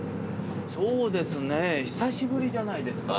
そうですね久しぶりじゃないですか。